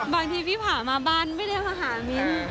บางทีพี่ผ่ามาบ้านไม่ได้มาหามิน